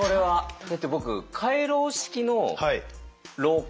だって僕回廊式の廊下。